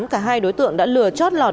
cả hai đối tượng đã lừa chót lọt